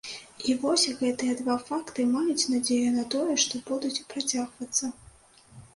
І вось гэтыя два факты маюць надзею на тое, што будуць працягвацца.